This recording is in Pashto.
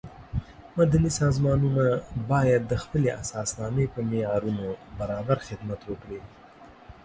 مدني سازمانونه باید د خپلې اساسنامې په معیارونو برابر خدمت وکړي.